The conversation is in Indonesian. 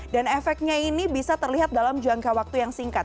dan efeknya ini bisa terlihat dalam jangka waktu yang singkat